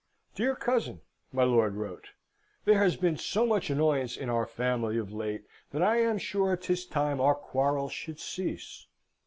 "Dear Cousin," my lord wrote, "there has been so much annoyance in our family of late, that I am sure 'tis time our quarrels should cease.